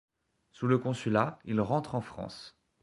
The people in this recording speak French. Sous le Consulat, il rentre en France.